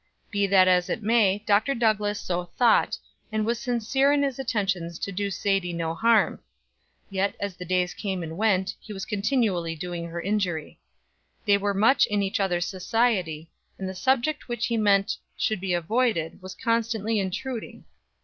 Be that as it may, Dr. Douglass so thought, and was sincere in his intentions to do Sadie no harm; yet, as the days came and went, he was continually doing her injury. They were much in each other's society, and the subject which he meant should be avoided was constantly intruding.